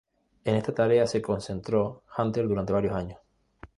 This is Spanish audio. En esta tarea se concentró Hunter durante varios años.